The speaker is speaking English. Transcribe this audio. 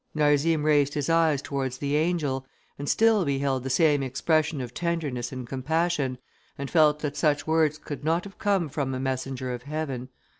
Narzim raised his eyes towards the angel, and still beheld the same expression of tenderness and compassion, and felt that such words could not have come from a messenger of heaven.